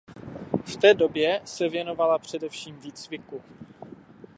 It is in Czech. V té době se věnovala především výcviku.